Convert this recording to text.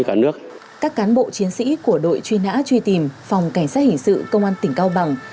các cán bộ chiến sĩ của đội truy nã truy tìm phòng cảnh sát hình sự công an tỉnh cao bằng